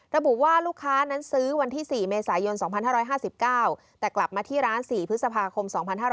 ระบุว่าลูกค้านั้นซื้อวันที่๔เมษายน๒๕๕๙แต่กลับมาที่ร้าน๔พฤษภาคม๒๕๕๙